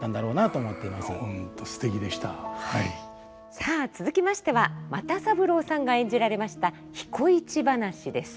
さあ続きましては又三郎さんが演じられました「彦市ばなし」です。